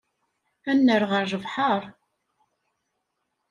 Ad nerr ɣer lebḥer.